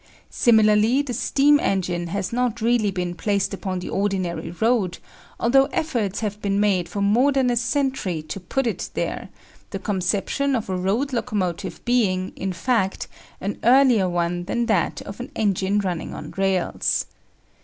Similarly the steam engine has not really been placed upon the ordinary road, although efforts have been made for more than a century to put it there, the conception of a road locomotive being, in fact, an earlier one than that of an engine running on rails.